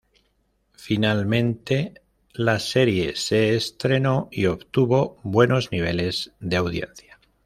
Finalmente la serie se estrenó y obtuvo buenos niveles de audiencia.